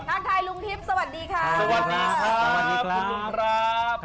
ท่านไทยลุงทิพย์สวัสดีค่ะสวัสดีครับสวัสดีครับคุณลุงรับ